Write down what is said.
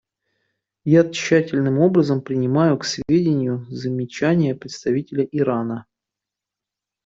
Я тщательным образом принимаю к сведению замечания представителя Ирана.